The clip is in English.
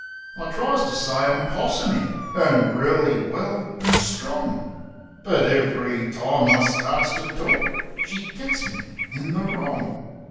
I tries to say I'm possumin', an' reely well an' strong; But ev'ry time I starts to tork she's got me in the wrong.